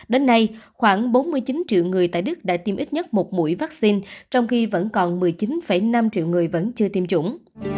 đến nay khoảng bốn mươi chín triệu người tại đức đã tiêm ít nhất một mũi vaccine trong khi vẫn còn một mươi chín năm triệu người vẫn chưa tiêm chủng